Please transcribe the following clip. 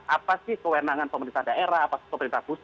apa sih kewenangan pemerintah daerah apa sih pemerintah pusat